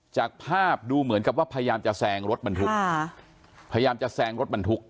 จากภาพดูเหมือนกับว่าพยายามจะแซงรถบรรทุกพยายามจะแซงรถบรรทุก